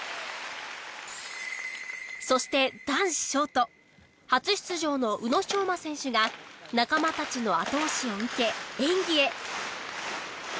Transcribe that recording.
そして男子ショート初出場の宇野昌磨選手が仲間たちの後押しを受け演技へ。